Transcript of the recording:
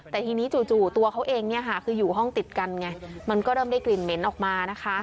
แต่ทีนี้จู่ตัวเขาเองเนี่ยค่ะคืออยู่ห้องติดกันไงมันก็เริ่มได้กลิ่นเหม็นออกมานะคะ